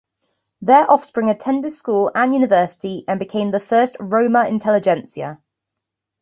Their offspring attended school and university and became the first Roma-intelligentsia.